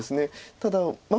ただまあ